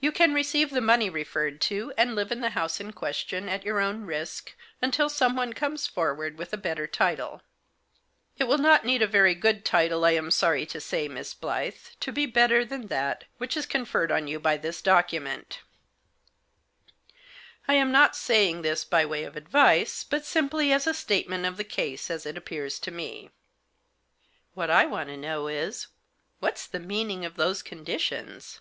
You can receive the money referred to, and live in the house in question, at your own risk, until someone comes forward with a better title. It will not need a very good title, I am sorry to say, Miss Blyth, to be better than that which Digitized by SOLE RESIDUARY LEGATEE. 51 is conferred on you by this document I am not say ing this by way of advice, but simply as a statement of the case as it appears to me>" " What I want to know is, what's the meaning of those conditions